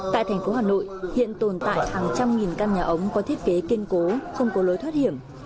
tại thành phố hà nội hiện tồn tại hàng trăm nghìn căn nhà ống có thiết kế kiên cố không có lối thoát hiểm